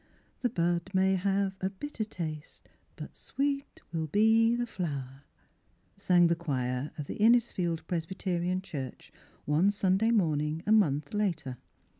The bud may have a bitter taste, But sweet will be the flower !" sang the choir of the Innis field Presbyterian Church one Sunday morning a month later.